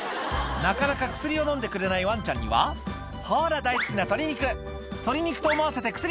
なかなか薬を飲んでくれないワンちゃんにはほら大好きな鶏肉鶏肉と思わせて薬！